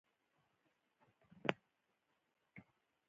آیا د پښتنو په کلتور کې د سوال کولو نه منع شوې نه ده؟